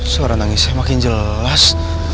suara nangisnya makin jelas